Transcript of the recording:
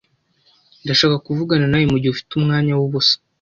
Ndashaka kuvugana nawe mugihe ufite umwanya wubusa.